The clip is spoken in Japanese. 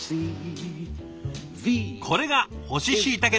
これが乾しいたけ